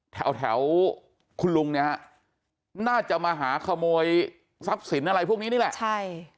แถวแถวคุณลุงเนี่ยฮะน่าจะมาหาขโมยทรัพย์สินอะไรพวกนี้นี่แหละใช่